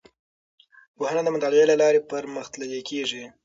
پوهنه د مطالعې له لارې پرمختللې کیږي.